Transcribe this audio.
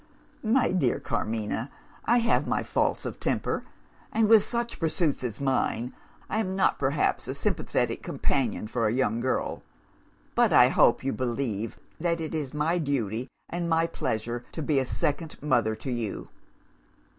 "My dear Carmina, I have my faults of temper; and, with such pursuits as mine, I am not perhaps a sympathetic companion for a young girl. But I hope you believe that it is my duty and my pleasure to be a second mother to you?